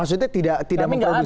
maksudnya tidak memproduksi gimmick